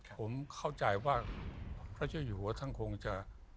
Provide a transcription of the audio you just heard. ผมเข้าใจว่าพระเจ้าอยู่หัวท่านคงจะ